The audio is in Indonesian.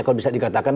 kalau bisa dikatakan